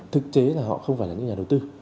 thực tế là họ không phải là những nhà đầu tư